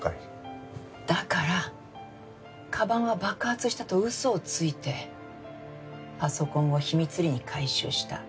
だから鞄は爆発したと嘘をついてパソコンを秘密裏に回収した。